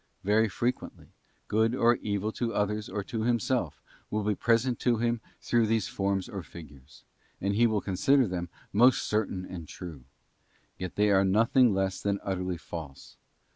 Very frequently, good or evil to others or to himself will be present to him through these forms or figures: and he will consider them most certain and true, and yet they are nothing less than utterly false.